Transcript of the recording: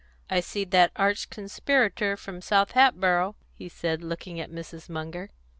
"I see that arch conspirator from South Hatboro'," he said, looking at Mrs. Munger.